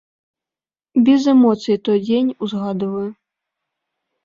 Без эмоцый той дзень узгадваю.